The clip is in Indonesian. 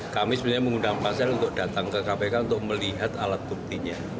kami sebenarnya mengundang pansel untuk datang ke kpk untuk melihat alat buktinya